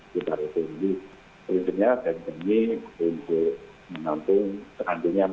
jadi ini untuk menampung sekandinya